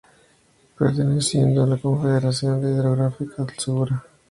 Perteneciendo a la Confederación Hidrográfica del Segura.